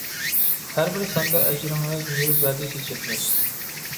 ھەر بىر ساندا ئەجرىڭىز، مېۋە بەردى چېچەكلەپ.